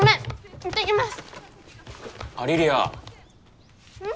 いってきます！